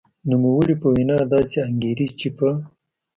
نوموړې په وینا داسې انګېري چې په